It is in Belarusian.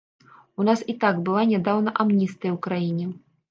У нас і так была нядаўна амністыя ў краіне.